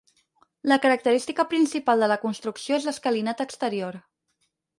La característica principal de la construcció és l'escalinata exterior.